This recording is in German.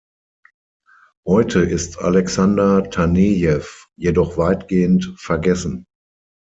Heute ist Alexander Tanejew jedoch weitgehend vergessen.